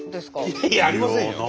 いやいやありませんよ。